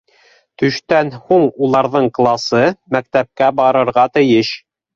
Төштән һуң уларҙың класы мәктәпкә барырға тейеш